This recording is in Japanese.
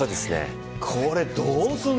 これ、どうするの？